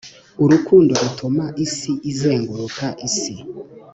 urukundo rutuma isi izenguruka isi